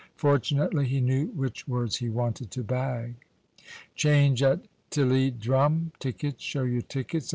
Fortunately, he knew which words he wanted to bag. "Change at Tilliedrum!" "Tickets! show your tickets!"